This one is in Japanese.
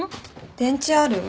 電池ある？